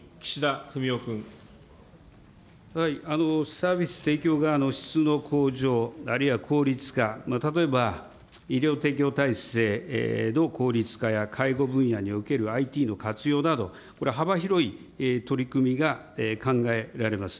サービス提供側の質の向上、あるいは効率化、例えば、医療提供体制の効率化や介護分野におけるＩＴの活用など、これは幅広い取り組みが考えられます。